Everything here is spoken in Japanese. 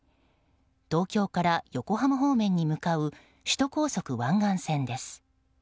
東京から横浜方面に向かう首都高速湾岸線です。